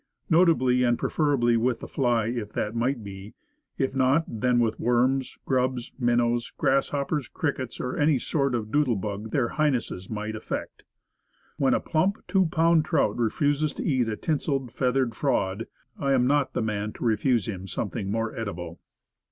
Notably and preferably with the fly if that might be. If not, then with worms, grubs, minnows, grasshoppers, crickets, or any sort of doodle bug their highnesses might affect. When a plump, two pound trout refuses to eat a tinseled, feathered fraud, I am not the man to refuse him something more edible.